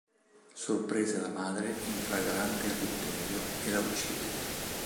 Sorprese la madre in flagrante adulterio e la uccise.